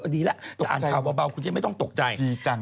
ดีแล้วจะอ่านข่าวเบาคุณจะไม่ต้องตกใจ